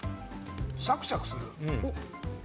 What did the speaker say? シャクシャクする。